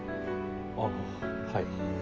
ああはい。